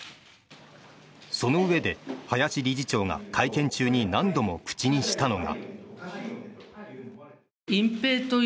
そのうえで林理事長が会見中に何度も口にしたのが。